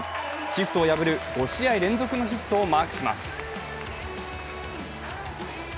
シフトを破る５試合連続のヒットをマークします。